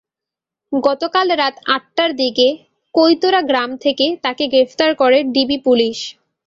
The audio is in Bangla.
গতকাল রাত আটটার দিকে কৈতরা গ্রাম থেকে তাঁকে গ্রেপ্তার করে ডিবি পুলিশ।